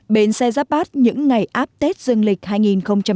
bến xe giáp bát những ngày áp tết dương lịch hai nghìn một mươi tám